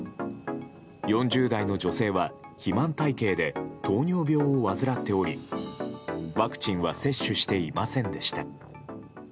４０代の女性は肥満体形で糖尿病を患っておりワクチンは接種していませんでした。